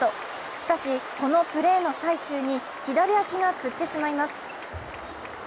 しかし、このプレーの最中に左足がつってしまいます。